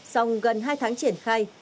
sau gần hai tháng triển khai